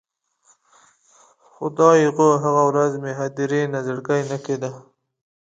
خدایږو، هغه ورځ مې هدیرې نه زړګی نه کیده